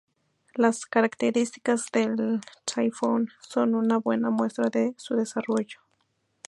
Las características del Typhoon son una buena muestra de su desarrollo.